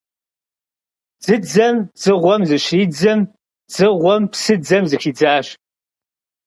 Дзыдзэм дзыгъуэм зыщридзым, дзыгъуэм псыдзэм зыхидзащ,.